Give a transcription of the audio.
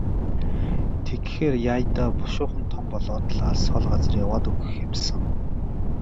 Тэгэхээр яая даа, бушуухан том болоод л алс хол газар яваад өгөх юм сан.